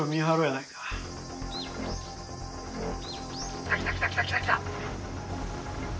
「来た来た来た来た来た来た！」